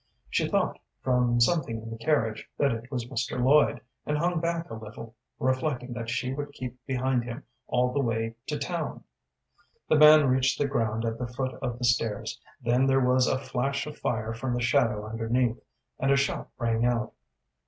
She thought, from something in the carriage, that it was Mr. Lloyd, and hung back a little, reflecting that she would keep behind him all the way to town. The man reached the ground at the foot of the stairs, then there was a flash of fire from the shadow underneath, and a shot rang out.